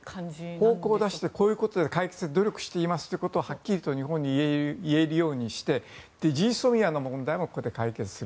方向を出してこういうことで解決に向けて努力していきますということをはっきりと日本に言えるようにしてＧＳＯＭＩＡの問題もここで解決する。